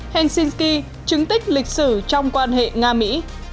helsinki chứng tích lịch sử trong quan hệ nga mỹ